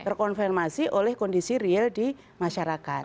terkonfirmasi oleh kondisi real di masyarakat